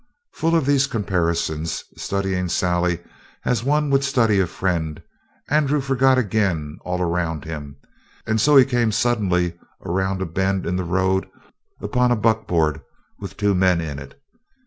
Full of these comparisons, studying Sally as one would study a friend, Andrew forgot again all around him, and so he came suddenly, around a bend in the road, upon a buckboard with two men in it.